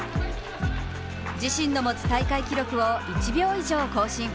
自身の持つ大会記録を１秒以上更新。